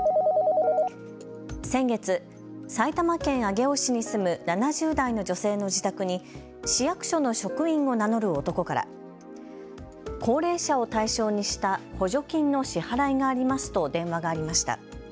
先月、埼玉県上尾市に住む７０代の女性の自宅に市役所の職員を名乗る男から高齢者を対象にした補助金の支払いがありますと電話がありました。